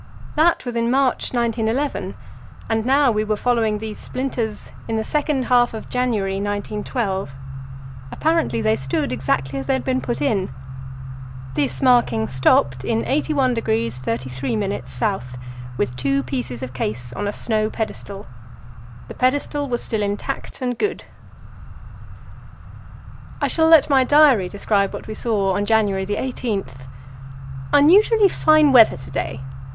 That was in March, 1911, and now we were following these splinters in the second half of January, 1912. Apparently they stood exactly as they had been put in. This marking stopped in 81° 33' S., with two pieces of case on a snow pedestal. The pedestal was still intact and good. I shall let my diary describe what we saw on January 18: "Unusually fine weather to day.